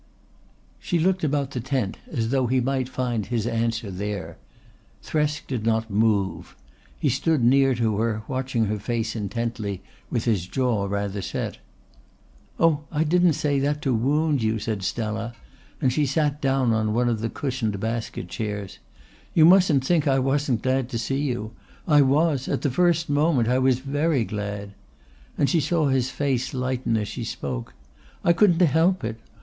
She looked about the tent as though he might find his answer there. Thresk did not move. He stood near to her, watching her face intently with his jaw rather set. "Oh, I didn't say that to wound you," said Stella, and she sat down on one of the cushioned basket chairs. "You mustn't think I wasn't glad to see you. I was at the first moment I was very glad;" and she saw his face lighten as she spoke. "I couldn't help it.